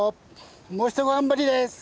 もうひと頑張りです。